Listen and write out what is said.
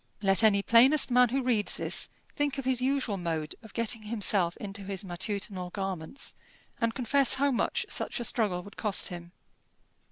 Let any plainest man who reads this think of his usual mode of getting himself into his matutinal garments, and confess how much such a struggle would cost him.